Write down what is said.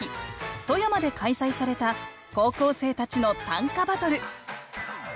富山で開催された高校生たちの短歌バトル。